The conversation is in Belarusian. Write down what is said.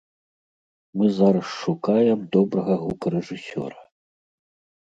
Мы зараз шукаем добрага гукарэжысёра.